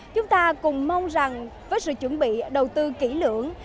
chúng ta cùng mong rằng với sự chuẩn bị đầu tư kỹ lưỡng